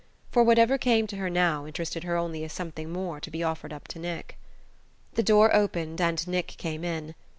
For whatever came to her now interested her only as something more to be offered up to Nick. The door opened and Nick came in.